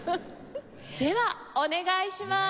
ではお願いします。